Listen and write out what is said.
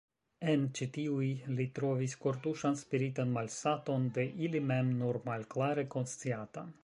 En ĉi tiuj li trovis kortuŝan spiritan malsaton, de ili mem nur malklare konsciatan.